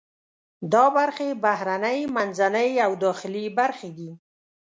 دا برخې بهرنۍ، منځنۍ او داخلي برخې دي.